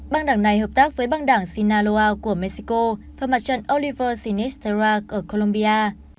băng đảng này hợp tác với băng đảng sinaloa của mexico và mặt trận oliver sinistera ở colombia